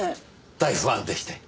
大ファンでして。